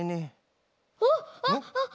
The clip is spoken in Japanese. あっあっあっ！